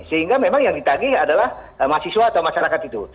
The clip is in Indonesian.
sehingga memang yang ditagih adalah mahasiswa atau masyarakat itu